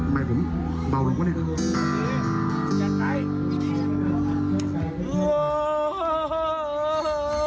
ผิดโพรกกลับบ้านแล้ว